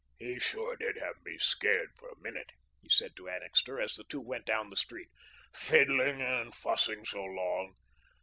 "He sure did have me scared for a minute," he said to Annixter, as the two went down to the street, "fiddling and fussing so long.